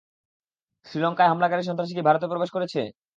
শ্রীলঙ্কায় হামলাকারী সন্ত্রাসী কি ভারতে প্রবেশ করেছে?